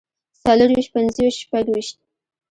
څلورويشت پنځويشت شپږويشت